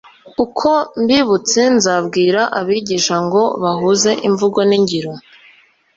uko mbibutse nzabwira abigisha ngo bahuze imvugo n'ingiro